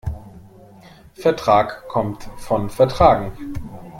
Vertrag kommt von vertragen.